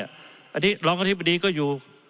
อาทิตย์รองอธิบดีก็อยู่